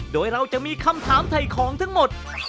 โดยเราจะมีคำถามถ่ายของทั้งหมด